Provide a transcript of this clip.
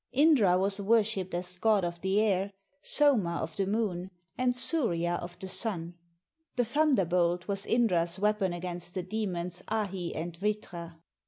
Indra was worshiped as god of the air, Soma of the moon, and Surya of the sun. The thunderbolt was Indra's weapon against the demons Ahi and Vritra.